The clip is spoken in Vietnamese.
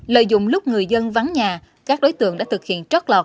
lợi dụng lúc người dân vắng nhà các đối tượng đã thực hiện trót lọt